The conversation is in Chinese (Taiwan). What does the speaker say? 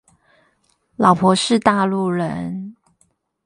老婆是大陸人